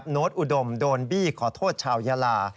โน้ตอุดมโดนบี้ขอโทษชาวยาลา